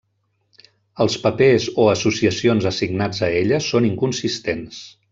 Els papers o associacions assignats a ella són inconsistents.